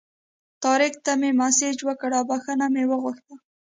طارق ته مې مسیج وکړ او بخښنه مې وغوښته.